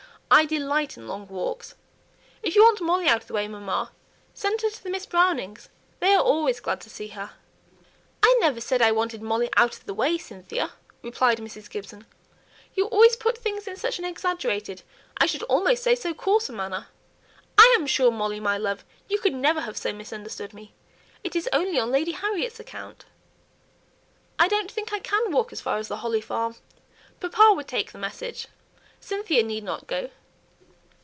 I delight in long walks. If you want Molly out of the way, mamma, send her to the Miss Brownings' they are always glad to see her." "I never said I wanted Molly out of the way, Cynthia," replied Mrs. Gibson. "You always put things in such an exaggerated I should almost say, so coarse a manner. I am sure, Molly, my love, you could never have so misunderstood me; it is only on Lady Harriet's account." "I don't think I can walk as far as the Holly Farm; papa would take the message; Cynthia need not go."